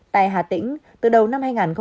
tại hà tĩnh từ đầu năm